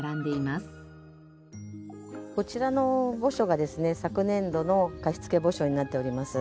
こちらの墓所がですね昨年度の貸付墓所になっております。